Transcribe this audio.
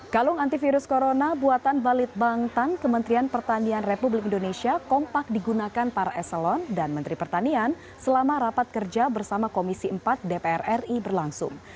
kalung antivirus corona buatan balit bangtan kementerian pertanian republik indonesia kompak digunakan para eselon dan menteri pertanian selama rapat kerja bersama komisi empat dpr ri berlangsung